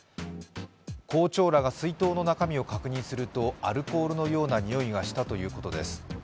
校長らが水筒の中身を確認するとアルコールのようなにおいがしたということです。